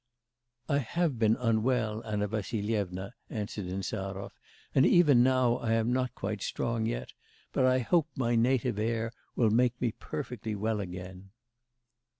'I have been unwell, Anna Vassilyevna,' answered Insarov; 'and even now I am not quite strong yet: but I hope my native air will make me perfectly well again.